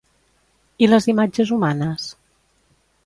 I les imatges humanes?